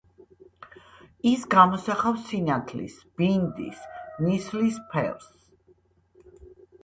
ის გამოსახავს სინათლის, ბინდის, ნისლის ფერს.